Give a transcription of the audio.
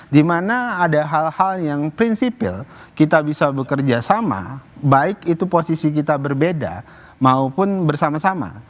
di mana ada hal hal yang prinsipil kita bisa bekerja sama baik itu posisi kita berbeda maupun bersama sama